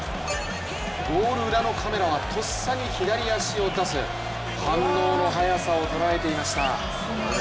ゴール裏のカメラはとっさに左足を出す反応の早さを捉えていました。